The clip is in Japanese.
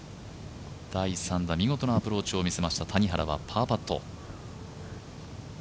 第３打見事なアプローチを見せました谷原はパーパット。